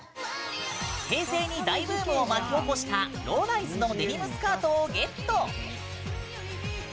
平成に大ブームを巻き起こしたローライズのデニムスカートをゲット！